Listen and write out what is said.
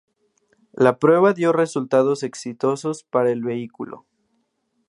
La prueba dio resultados exitosos para el vehículo.